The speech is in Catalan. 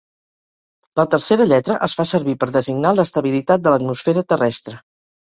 La tercera lletra es fa servir per designar l'estabilitat de l'atmosfera terrestre.